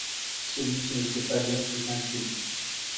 Celui qui ne sait pas lire est inculte.